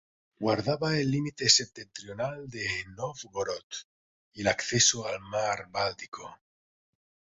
Guardaba el límite septentrional de Nóvgorod y el acceso al mar Báltico.